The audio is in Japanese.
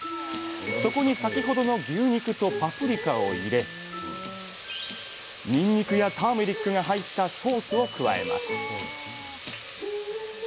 そこに先ほどの牛肉とパプリカを入れにんにくやターメリックが入ったソースを加えます